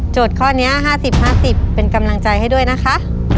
ข้อนี้๕๐๕๐เป็นกำลังใจให้ด้วยนะคะ